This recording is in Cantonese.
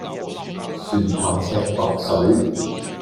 船頭尺度水